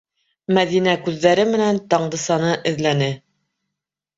Мәҙинә күҙҙәре менән Таңдысаны эҙләне.